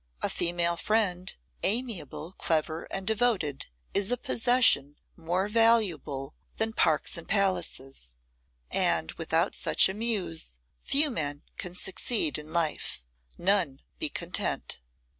A female friend, amiable, clever, and devoted, is a possession more valuable than parks and palaces; and, without such a muse, few men can succeed in life, none be content.